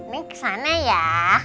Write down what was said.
nih kesana ya